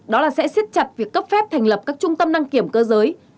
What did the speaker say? đó là sẽ xiết chặt việc cấp phép thành lập các trung tâm đăng kiểm cơ giới